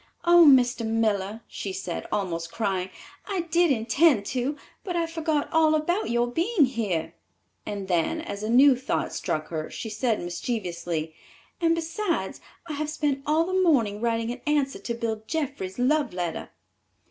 "Oh, Mr. Miller," she said, almost crying, "I did intend to, but I forgot all about your being here"; and then, as a new thought struck her, she said mischievously, "and besides I have spent all the morning writing an answer to Bill Jeffrey's love letter!"